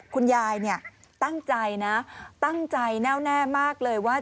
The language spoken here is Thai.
คุณยายเนี่ยตั้งใจนะตั้งใจแน่วแน่มากเลยว่า